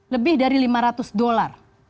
lebih dari lima ratus dolar